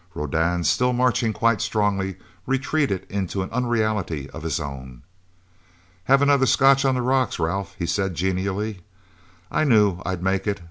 Rodan, still marching quite strongly, retreated into an unreality of his own. "Have another scotch on the rocks, Ralph," he said genially. "I knew I'd make it...